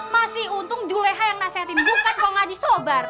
masih untung juleha yang nasihatin bukan kau ngaji sobar